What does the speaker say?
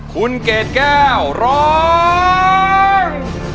คุณเกดแก้วร้อง